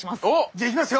じゃあいきますよ。